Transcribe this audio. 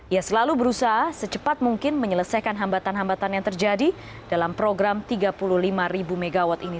ia selalu berusaha secepat mungkin menyelesaikan hambatan hambatan yang terjadi dalam program tiga puluh lima mw ini